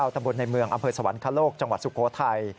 ตำบลนายเมืองอสวรรค์คจังหวัดสุโขทัย